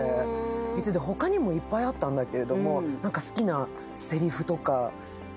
他にもいっぱいあったんだけれども、何か好きなせりふとか？